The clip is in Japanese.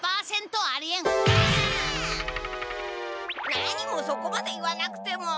なにもそこまで言わなくても。